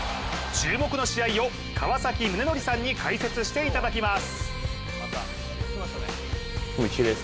注目の試合を川崎宗則さんに解説していただきます。